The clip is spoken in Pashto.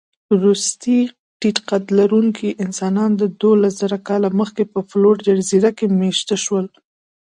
وروستي ټيټقدلرونکي انسانان دوولسزره کاله مخکې په فلور جزیره کې مېشته شول.